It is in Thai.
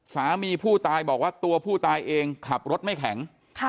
สามีผู้ตายบอกว่าตัวผู้ตายเองขับรถไม่แข็ง